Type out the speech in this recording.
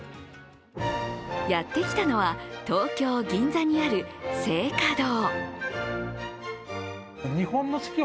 やってきたのは、東京・銀座にある青果堂。